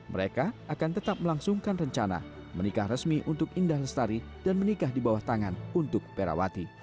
mereka akan tetap melangsungkan rencana menikah resmi untuk indah lestari dan menikah di bawah tangan untuk perawati